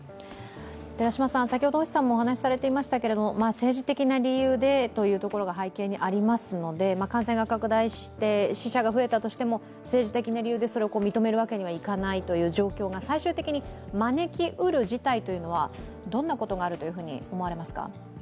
政治的な理由でというところが背景にありますので、感染が拡大して死者が増えたとしても政治的な理由でそれを認めるわけにはいかないという状況が最終的に招きうる事態というのは、どんなことがあると思われますか？